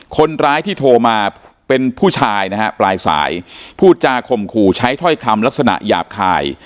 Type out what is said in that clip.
คนร้ายที่โทรมาเป็นผู้ชายนะฮะปลายสายพูดจาข่มขู่ใช้ถ้อยคำลักษณะหยาบคาย